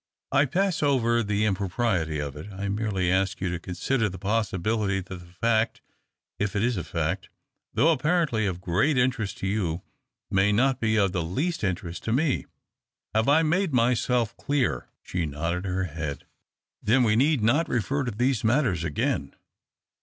I pass over the impropriety of it. I merely ask you to consider the possibility that the fact — if it is a fact — though apparently of great interest to you, may not be of the least interest to me. Have I made everything clear ?" She nodded her head. " Then we need not refer to these matters again.